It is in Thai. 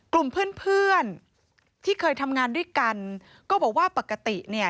กลุ่มเพื่อนเพื่อนที่เคยทำงานด้วยกันก็บอกว่าปกติเนี่ย